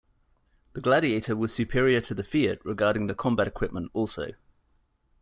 The Gladiator was superior to the Fiat regarding the combat equipment also.